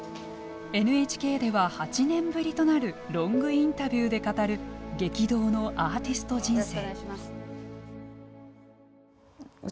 ＮＨＫでは８年ぶりとなるロングインタビューで語る激動のアーティスト人生。